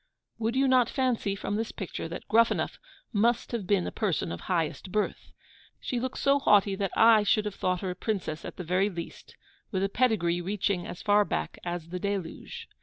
Would you not fancy, from this picture, that Gruffanuff must have been a person of highest birth? She looks so haughty that I should have thought her a princess at the very least, with a pedigree reaching as far back as the Deluge.